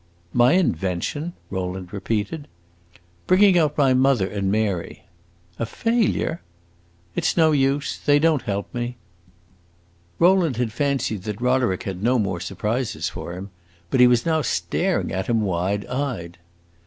"My invention?" Rowland repeated. "Bringing out my mother and Mary." "A failure?" "It 's no use! They don't help me." Rowland had fancied that Roderick had no more surprises for him; but he was now staring at him, wide eyed.